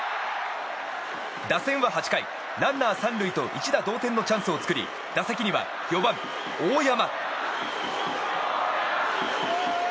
打線は８回、ランナー３塁と一打同点のチャンスを作り打席には４番、大山。